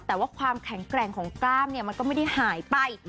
แต่ว่าความแข็งแกร่งของกล้ามเนี่ยมันก็ไม่ได้หายไป